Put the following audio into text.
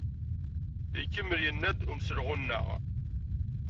Ikemmel yenna-d umselɣu-nneɣ.